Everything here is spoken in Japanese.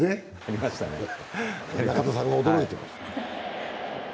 中田さんが驚いてました。